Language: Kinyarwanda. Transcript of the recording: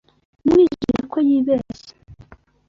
Namwijeje ko yibeshye.